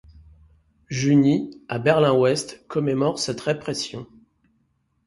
Juni, à Berlin-Ouest, commémore cette répression.